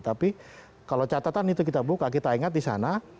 tapi kalau catatan itu kita buka kita ingat di sana